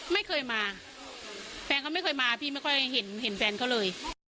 ไม่เคยมาแฟนเขาไม่เคยมาพี่ไม่ค่อยเห็นเห็นแฟนเขาเลย